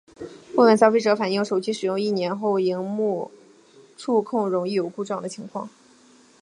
部份消费者反应手机使用一年后萤幕触控容易有故障的情况。